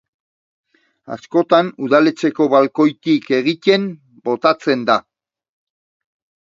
Askotan udaletxeko balkoitik egiten botatzen da.